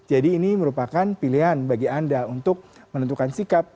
jadi ini merupakan pilihan bagi anda untuk menentukan sikap